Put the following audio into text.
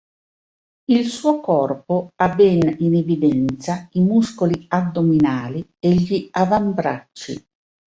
Il suo corpo ha ben in evidenza i muscoli addominali e gli avambracci.